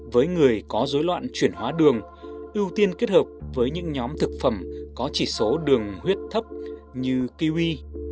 với người có dối loạn chuyển hóa đường ưu tiên kết hợp với những nhóm thực phẩm có chỉ số đường huyết thấp như kiwi